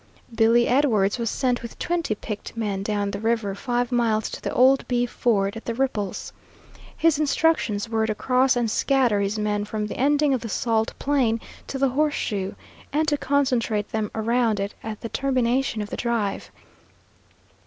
Billy Edwards was sent with twenty picked men down the river five miles to the old beef ford at the ripples. His instructions were to cross and scatter his men from the ending of the salt plain to the horseshoe, and to concentrate them around it at the termination of the drive.